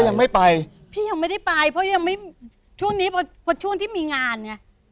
ก็ยังไม่ไปพี่ยังไม่ได้ไปเพราะยังไม่ช่วงนี้เป็นเป็นช่วงที่มีงานเนี้ย